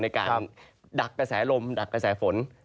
ในการดักกระแสลมดักกระแสฝน